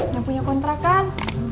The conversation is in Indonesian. yang punya kontra kan